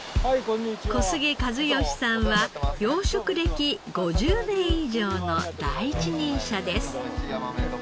古菅一芳さんは養殖歴５０年以上の第一人者です。